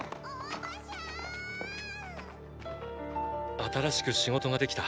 新しく仕事ができた。